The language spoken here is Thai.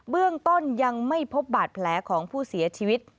เรื่องต้นยังไม่พบบาดแผลของผู้เสียชีวิต